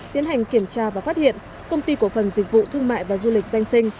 tiến hành kiểm tra và phát hiện công ty cổ phần dịch vụ thương mại và du lịch doanh sinh